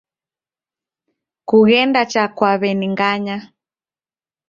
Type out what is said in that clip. Kughende cha kwa w'eni ng'anya